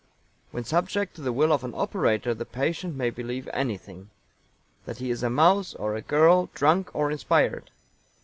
When subject to the will of an operator the patient may believe anything that he is a mouse or a girl, drunk or inspired.